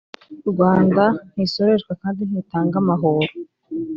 rwanda ntisoreshwa kandi ntitanga amahoro